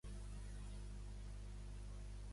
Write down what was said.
Mentrestant, un senyor contempla l'escena amb atenció?